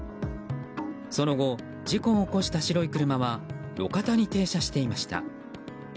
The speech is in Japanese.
その後、事故を起こした白い車は路肩に停車していました。